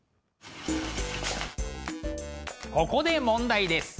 ここで問題です。